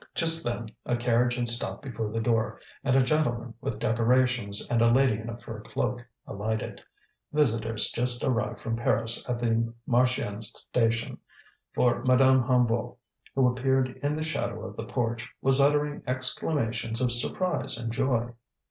Just then, a carriage had stopped before the door and a gentleman with decorations and a lady in a fur cloak alighted: visitors just arrived from Paris at the Marchiennes station, for Madame Hennebeau, who appeared in the shadow of the porch, was uttering exclamations of surprise and joy.